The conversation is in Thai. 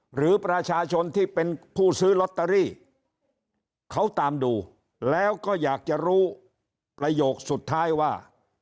หรือประชาชนที่เป็นผู้ซื้อลอตเตอรี่เขาตามดูแล้วก็อยากจะรู้ประโยคสุดท้ายว่า